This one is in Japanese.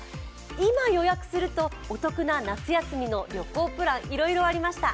今予約すると、お得な夏休みの旅行プランいろいろありました。